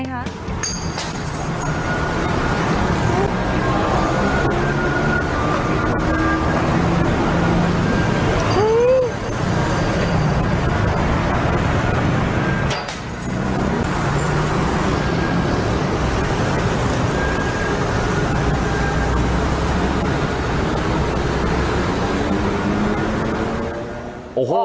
โรงพยาบาลดูหน้ากีฯ